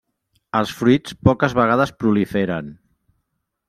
Els fruits poques vegades proliferen.